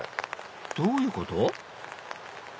どういうこと？